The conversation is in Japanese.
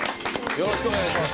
よろしくお願いします。